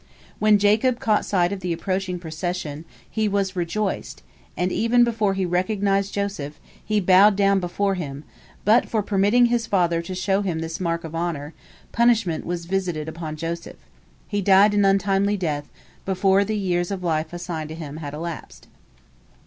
When Jacob caught sight of the approaching procession, he was rejoiced, and even before he recognized Joseph, he bowed down before him, but for permitting his father to show him this mark of honor, punishment was visited upon Joseph. He died an untimely death, before the years of life assigned to him had elapsed.